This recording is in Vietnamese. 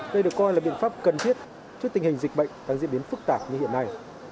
đây được coi là biện pháp cần thiết trước tình hình dịch bệnh đang diễn biến phức tạp như hiện nay